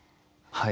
はい。